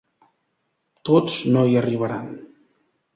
Tots no hi arribaran.